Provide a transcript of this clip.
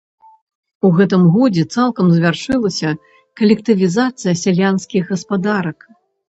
У гэтым годзе цалкам завяршылася калектывізацыя сялянскіх гаспадарак.